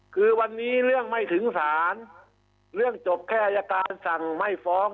คือวันนี้เรื่องไม่ถึงศาลเรื่องจบแค่อายการสั่งไม่ฟ้อง